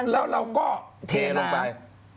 แล้วเราก็เทลงไป